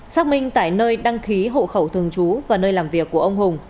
xác minh tại nơi đăng ký hộ khẩu thường trú và nơi làm việc của ông hùng